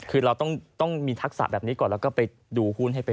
คือเราต้องมีทักษะแบบนี้ก่อนแล้วก็ไปดูหุ้นให้เป็น